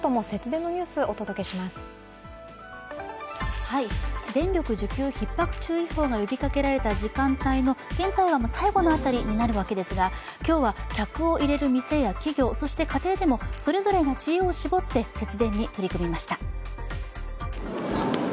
電力需給ひっ迫注意報が呼びかけられた時間帯の現在は最後の辺りになるわけですが、今日は客を入れる店や企業、そして家庭でもそれぞれが知恵を絞って節電に取り組みました。